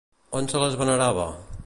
On se les venerava?